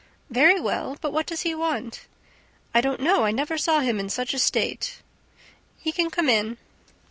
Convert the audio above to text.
"Very well ... but what does he want?" "I don't know; I never saw him in such a state." "He can come in."